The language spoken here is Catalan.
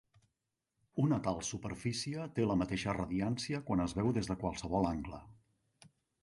Una tal superfície té la mateixa radiància quan es veu des de qualsevol angle.